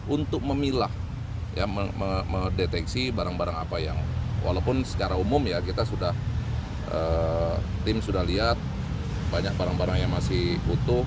untuk memilah mendeteksi barang barang apa yang walaupun secara umum ya kita sudah tim sudah lihat banyak barang barang yang masih utuh